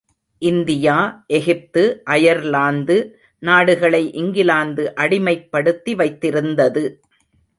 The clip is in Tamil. இந்தியா, எகிப்து, அயர்லாந்து நாடுகளை இங்கிலாந்து அடிமைப்படுத்தி வைத்திருந்தது.